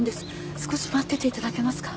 少し待ってていただけますか？